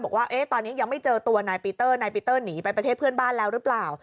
บอกว่าตอนนี้ยังไม่เจอตัวนายปีเตอร์นายปีเตอร์หนีไปประเทศเพื่อนบ้านแล้วหรือเปล่า